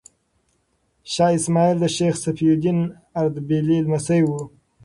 شاه اسماعیل د شیخ صفي الدین اردبیلي لمسی و.